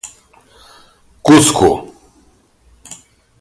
Cusco